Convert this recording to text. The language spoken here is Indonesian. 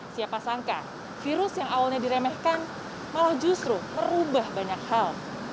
siapa sangka virus yang awalnya diremehkan malah justru merubah banyak hal